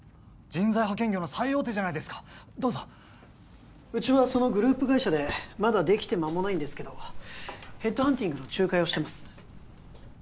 人材派遣業の最大手じゃないですかどうぞうちはそのグループ会社でまだできて間もないんですけどヘッドハンティングの仲介をしてます